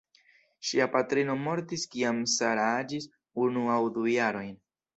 Ŝia patrino mortis kiam Sarah aĝis unu aŭ du jarojn.